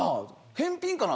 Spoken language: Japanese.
返品かな？